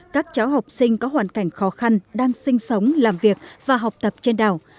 các cháu học sinh có hoàn cảnh khó khăn đang sinh sống làm việc và học tập trên đảo